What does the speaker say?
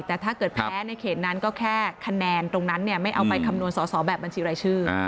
แต่ถ้าเกิดแพ้ในเขตนั้นก็แค่คะแนนตรงนั้นไม่เอาไปคำนวณสอสอแบบบัญชีรายชื่อ